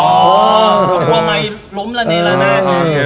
กำลัวไมล้มละนี่ละน่ะ